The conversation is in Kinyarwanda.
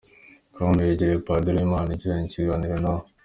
com yegereye Padiri Uwimana igirana ikiganiro nawe.